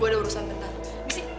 gue ada urusan bentar